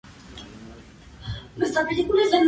Todos los sistemas están duplicados a cada lado del aparato.